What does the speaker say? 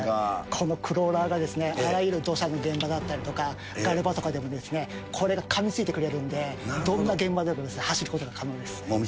このクローラーが、あらゆる土砂の現場だったりとか、ガレ場とかでもこれがかみついてくれるので、どんな現場でも走る道